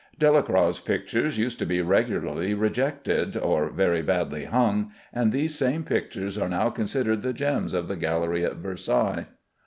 Delacroix's pictures used to be regularly rejected, or very badly hung, and these same pictures are now considered the gems of the gallery at Versailles.